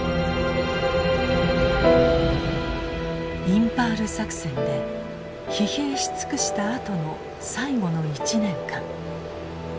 インパール作戦で疲弊し尽くしたあとの最後の１年間。